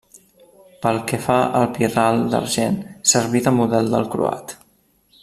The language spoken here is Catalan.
Pel que fa al pirral d'argent serví de model del croat.